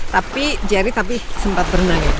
tapi jerry sempat berenang